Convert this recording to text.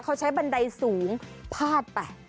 เขาใช้บันไดสูงพาดไป